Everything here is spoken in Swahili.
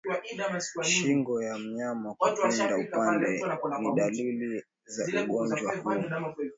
Shingo ya mnyama kupinda upande ni dalili za ugonjwa huu